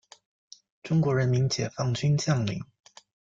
中国人民解放军将领。